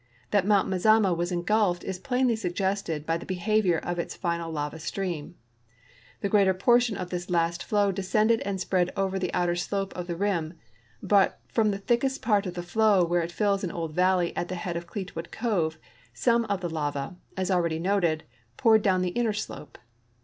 That Mount Mazama was engulfed is plainly suggested by the behavior of its final lava stream. The greater portion of this last flow descended and spread over the outer slope of the rim, but from the thickest part of the flow where it fills an old valley at the head of Cleetwood cove some of the same lava, as already noted, poured down the inner slope.